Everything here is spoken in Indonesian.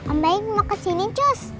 om baik mau kesini cus